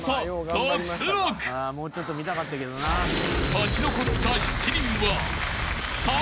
［勝ち残った７人は］